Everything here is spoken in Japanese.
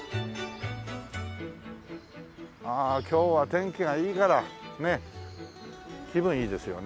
ああ今日は天気がいいからねえ気分いいですよね。